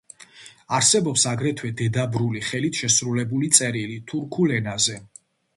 არსებობს აგრეთვე დედაბრული ხელით შესრულებული წერილი თურქულ ენაზე.